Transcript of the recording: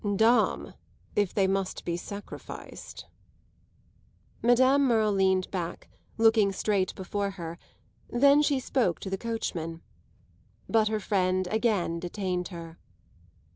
"Dame, if they must be sacrificed!" Madame Merle leaned back, looking straight before her; then she spoke to the coachman. But her friend again detained her.